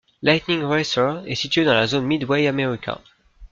Lightning Racer est situé dans la zone Midway America.